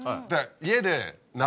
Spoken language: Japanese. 家で。